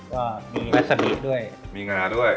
ก็มีรัสบิด้วยมีงาด้วย